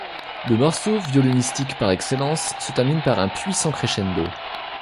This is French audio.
Le morceau, violonistique par excellence, se termine par un puissant crescendo.